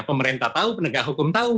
pemerintah tahu penegak hukum tahu